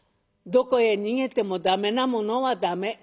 どこへ逃げても駄目なものは駄目。